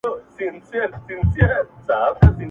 مېږي خور که شرمښکۍ ده که مرغان دي،